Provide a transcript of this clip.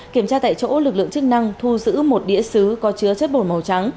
kiểm tra tại chỗ lực lượng chức năng thu giữ một đĩa xứ có chứa chất bột màu trắng